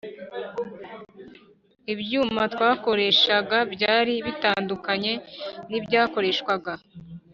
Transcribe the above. Ibyuma twakoreshaga byari bitandukanye n ibyakoreshwaga